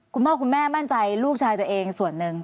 คุณพ่อคุณแม่มั่นใจลูกชายตัวเองส่วนหนึ่ง